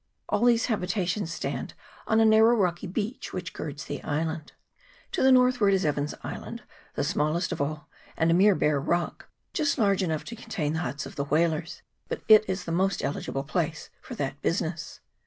All these habitations stand on a narrow rocky beach which girds the island. *fs 112 TABLE ISLAND. [PART I. To the northward is Evans's Island, the smallest of all, and a mere bare rock, just large enough to contain the huts of the whalers ; but it is the most eligible place for that business.